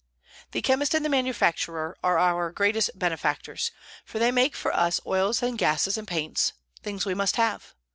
The chemist and the manufacturer are our greatest benefactors, for they make for us oils and gases and paints, things we must have.